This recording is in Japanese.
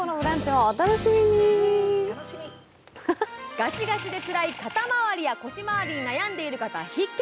ガチガチでつらい肩まわりや腰まわりに悩んでいる方必見。